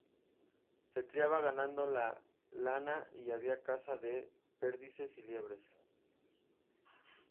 Se criaba ganado de lana y había caza de perdices y liebres.